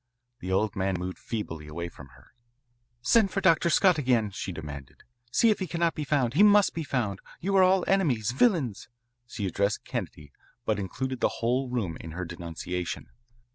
The old man moved feebly away from her. "Send for Dr. Scott again," she demanded. "See if he cannot be found. He must be found. You are all enemies, villains." She addressed Kennedy, but included the whole room in her denunciation.